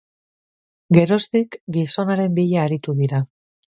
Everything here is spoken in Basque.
Geroztik, gizonaren bila aritu dira.